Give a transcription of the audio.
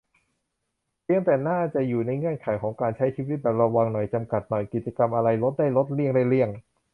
เพียงแต่น่าจะอยู่ในเงื่อนไขของการใช้ชีวิตแบบระวังหน่อย จำกัดหน่อย กิจกรรมอะไรลดได้ลด เลี่ยงได้เลี่ยง